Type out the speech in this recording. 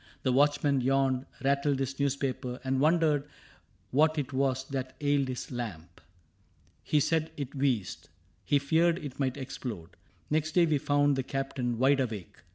The watchman yawned, rattled his newspaper. And wondered what it was that ailed his lamp. He said it wheezed. He feared it might explode. Next day we found the Captain wide awake.